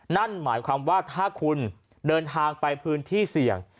นั่นหมายความว่าถ้าคุณเดินทางไปพื้นที่เสี่ยง